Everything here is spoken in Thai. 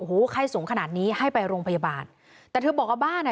โอ้โหไข้สูงขนาดนี้ให้ไปโรงพยาบาลแต่เธอบอกว่าบ้านอ่ะ